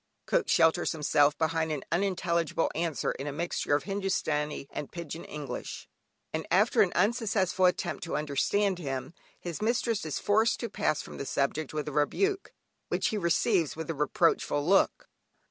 Cook shelters himself behind an unintelligible answer in a mixture of Hindustani and "Pigeon English," and after an unsuccessful attempt to understand him, his mistress is forced to pass from the subject, with a rebuke which he receives with a reproachful look.